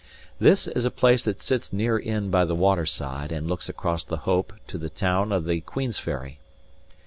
This is a place that sits near in by the water side, and looks across the Hope to the town of the Queensferry.